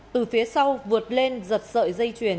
từ phía sau vượt lên giật sợi dây chuyền